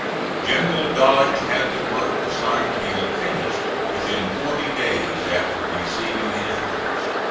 General Dodge had the work assigned him finished within forty days after receiving his orders.